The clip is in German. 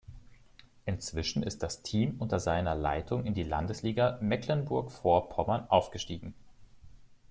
Inzwischen ist das Team unter seiner Leitung in die Landesliga Mecklenburg-Vorpommern aufgestiegen.